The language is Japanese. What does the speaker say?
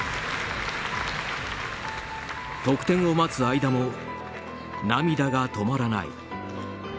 得点を待つ間も涙が止まらない。